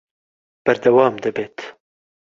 بەردەوام دەبێت